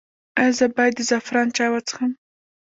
ایا زه باید د زعفران چای وڅښم؟